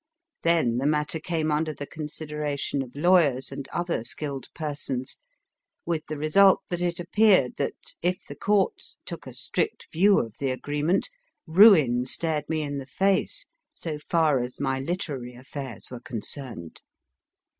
Then the matter came under the consideration of lawyers and other skilled persons, with the result that it appeared that, if the Courts took a strict view of the agreement, ruin stared me in the face, so far as my literary affairs were con cerned.